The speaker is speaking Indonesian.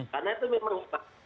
karena itu memang